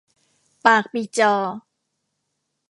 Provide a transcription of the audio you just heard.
ปากปีจอ